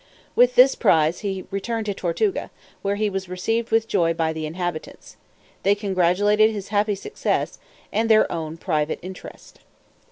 With this prize he returned to Tortuga, where he was received with joy by the inhabitants; they congratulating his happy success, and their own private interest.